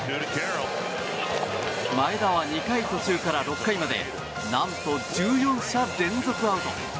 前田は２回途中から６回までなんと１４者連続アウト。